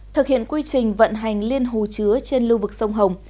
thực hiện quy trình vận hành liên hồ chứa trên lưu vực sông hồng